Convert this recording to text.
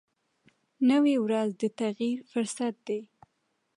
نوې ورځ د تغیر فرصت دی